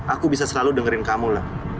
aku bisa selalu dengerin kamulah